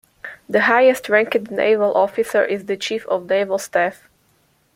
The highest ranked naval officer is the Chief of Naval Staff.